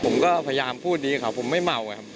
ผมก็พยายามพูดดีครับผมไม่เมาไงครับ